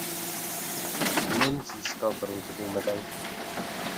S týmem získal bronzovou medaili.